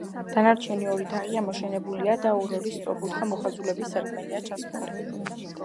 დანარჩენი ორი თაღი ამოშენებულია და ორ-ორი, სწორკუთხა მოხაზულობის სარკმელია ჩასმული.